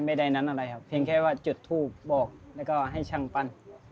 ไม่ได้นั้นอะไรครับเพียงแค่ว่าจุดทูบบอกแล้วก็ให้ช่างปั้น